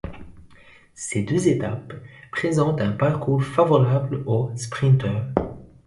Ces deux étapes présentent un parcours favorable aux sprinteurs.